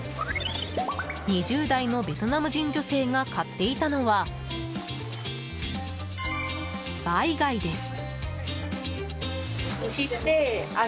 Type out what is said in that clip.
２０代のベトナム人女性が買っていたのはバイ貝です。